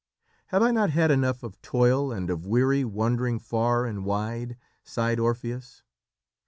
"Have I not had enough of toil and of weary wandering far and wide," sighed Orpheus.